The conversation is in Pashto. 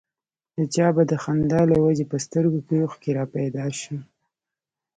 د چا به د خندا له وجې په سترګو کې اوښکې را پيدا شوې.